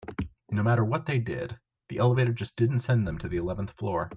No matter what they did, the elevator just didn't send them to the eleventh floor.